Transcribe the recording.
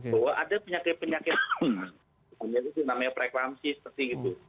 bahwa ada penyakit penyakit namanya frekuensi seperti itu